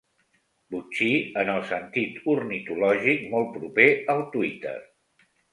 Botxí, en el sentit ornitològic, molt proper al Twitter.